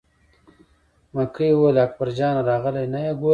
مکۍ وویل: اکبر جان راغلی نه یې ګورې.